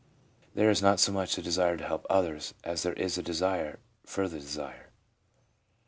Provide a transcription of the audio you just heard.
There is not so much a desire to help others as there is a desire for the desire.